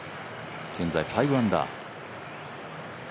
現在５アンダー。